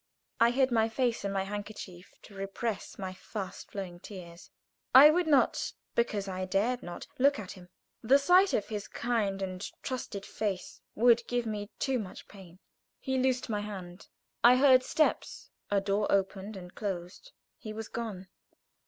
I hid my face in my handkerchief to repress my fast flowing tears. I would not, because I dared not, look at him. The sight of his kind and trusted face would give me too much pain. He loosed my hand. I heard steps; a door opened and closed. He was gone!